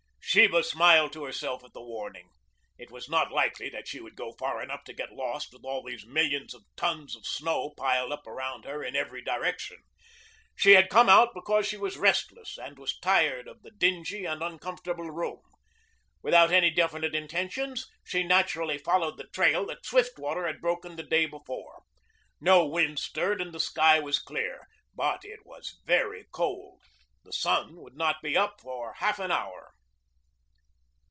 Sheba smiled to herself at the warning. It was not likely that she would go far enough to get lost with all these millions of tons of snow piled up around her in every direction. She had come out because she was restless and was tired of the dingy and uncomfortable room. Without any definite intentions, she naturally followed the trail that Swiftwater had broken the day before. No wind stirred and the sky was clear. But it was very cold. The sun would not be up for half an hour.